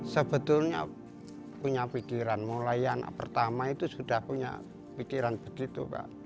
sebetulnya punya pikiran mulai anak pertama itu sudah punya pikiran begitu pak